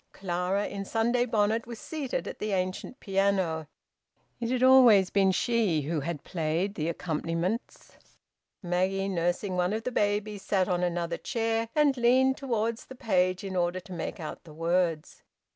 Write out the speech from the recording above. Clara, in Sunday bonnet, was seated at the ancient piano; it had always been she who had played the accompaniments. Maggie, nursing one of the babies, sat on another chair, and leaned towards the page in order to make out the words.